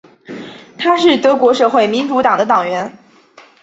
他是德国社会民主党的党员。